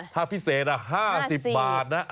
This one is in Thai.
ถ้าพิเศษ๕๐บาทนะ